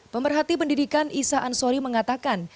pemerhati pendidikan isa ansori mengatakan